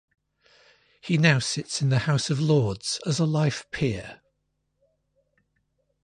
He now sits in the House of Lords as a Life Peer.